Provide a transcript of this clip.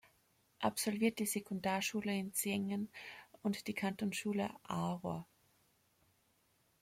Absolviert die Sekundarschule in Seengen und die Kantonsschule Aarau.